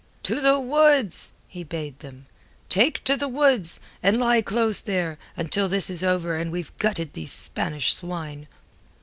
"To the woods!" he bade them. "Take to the woods, and lie close there, until this is over, and we've gutted these Spanish swine."